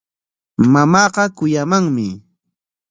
Mamaaqa kuyamanmi.